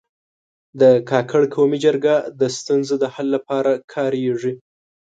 د کاکړ قومي جرګه د ستونزو د حل لپاره کارېږي.